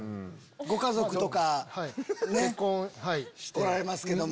ご家族とかねおられますけども。